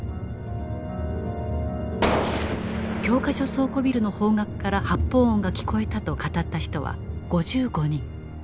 教科書倉庫ビルの方角から発砲音が聞こえたと語った人は５５人。